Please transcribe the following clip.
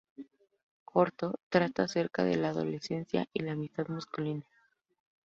El corto trata acerca de la adolescencia y la amistad masculina.